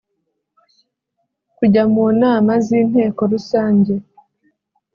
kujya mu nama z Inteko Rusange